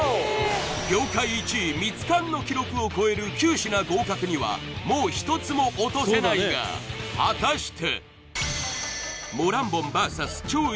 業界１位ミツカンの記録を超える９品合格にはもう１つも落とせないが果たして？